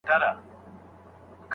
آیا سمندر تر سیند لوی دی؟